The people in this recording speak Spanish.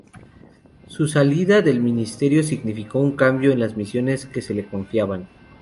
Su salida del Ministerio significó un cambio en las misiones que se le confiaban.